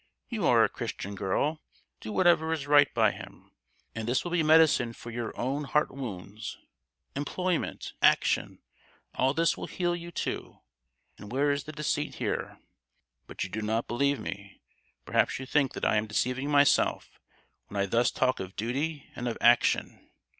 You are a Christian girl—do whatever is right by him; and this will be medicine for your own heart wounds; employment, action, all this will heal you too, and where is the deceit here? But you do not believe me. Perhaps you think that I am deceiving myself when I thus talk of duty and of action.